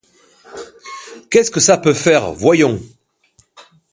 Qu'est-ce que ça peut te faire, voyons?